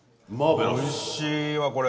おいしいわこれ。